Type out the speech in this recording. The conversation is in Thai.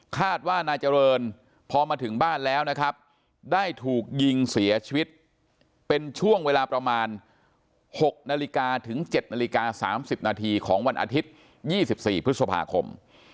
คาดว่านายเจริญพอมาถึงบ้านแล้วนะครับได้ถูกยิงเสียชีวิตเป็นช่วงเวลาประมาณ๖นาฬิกาถึง๗นาฬิกา๓๐นาทีของวันอาทิตย์๒๔พฤษภาคม